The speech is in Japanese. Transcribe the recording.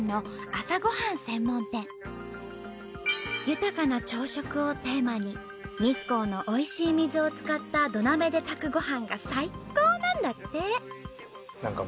豊かな朝食をテーマに日光の美味しい水を使った土鍋で炊くごはんが最高なんだって！